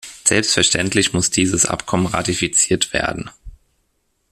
Selbstverständlich muss dieses Abkommen ratifiziert werden.